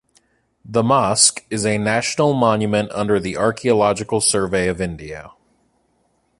The Mosque is a National Monument under the Archaeological Survey of India.